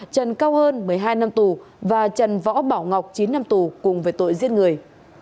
trần cao hơn một mươi hai năm tù và trần võ bảo ngọc chín năm tù cùng về tội giết người